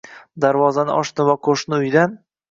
Darvozani ochdim va qoʻshni uydan